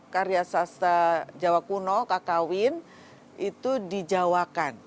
karya sastra jawa kuno kakawin itu dijawakan